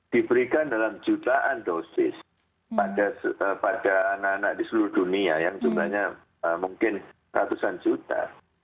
diberikan dalam jutaan dosis pada anak anak di seluruh dunia yang jumlahnya mungkin ratusan juta